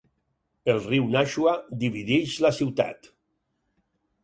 El riu Nashua divideix la ciutat.